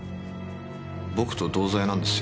僕と同罪なんですよ。